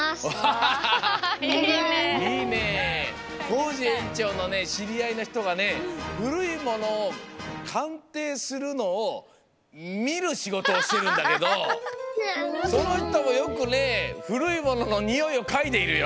コージえんちょうのしりあいのひとがねふるいものをかんていするのをみるしごとをしてるんだけどそのひともよくねふるいもののにおいをかいでいるよ。